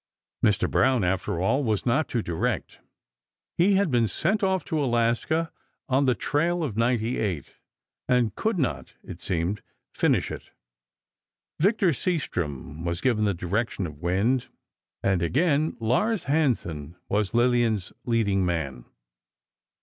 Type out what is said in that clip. Mr. Brown, after all, was not to direct. He had been sent off to Alaska, on the "Trail of '98," and could not, it seemed, finish it. Victor Seastrom was given the direction of "Wind," and again Lars Hansen was Lillian's leading man.